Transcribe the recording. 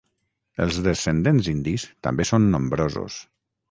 Els descendents indis també són nombrosos.